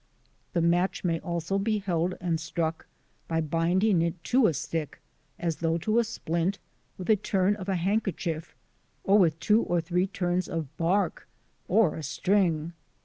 The match may also be held and struck by binding it to a stick, as though to a splint, with a turn of a handkerchief, or with two or three turns of bark, or a string.